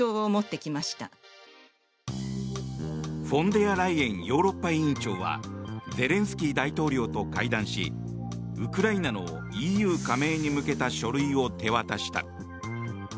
フォンデアライエンヨーロッパ委員長はゼレンスキー大統領と会談しウクライナのＥＵ加盟に向けた書類を手渡した。